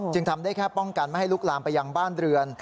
ทำได้แค่ป้องกันไม่ให้ลุกลามไปยังบ้านเรือน